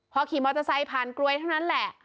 พอขี่มอเตอร์ไซค์ผ่านกลวยเท่านั้นแหละ